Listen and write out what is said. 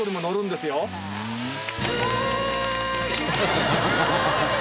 すごーい！